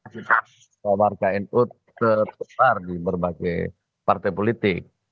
kita warga nu tertular di berbagai partai politik